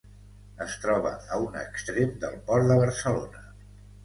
Es troba a un extrem del Port de Barcelona.